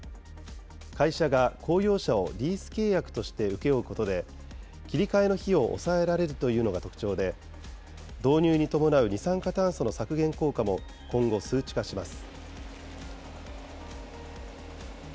会社が公用車をリース契約として請け負うことで、切り替えの費用を抑えられるというのが特徴で、導入に伴う二酸化炭素の削減効果も、今後、数値化します。